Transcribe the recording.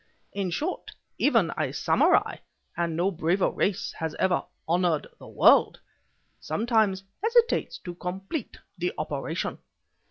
In short, even a samurai and no braver race has ever honored the world sometimes hesitates to complete the operation.